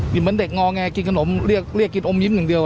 เหมือนเด็กงอแงกินขนมเรียกกินอมยิ้มอย่างเดียว